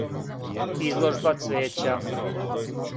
Изложба цвећа.